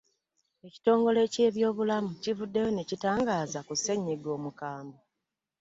Ekitongole ky'ebyobulamu kivuddeyo ne kitangaaza ku ssennyiga Corona.